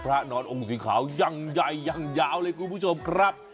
นอนองค์สีขาวยังใหญ่ยังยาวเลยคุณผู้ชมครับ